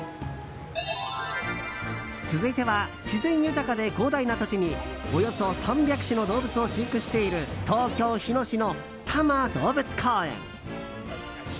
続いては自然豊かで広大な土地におよそ３００種の動物を飼育している東京・日野市の多摩動物公園。